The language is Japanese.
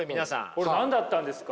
これ何だったんですか？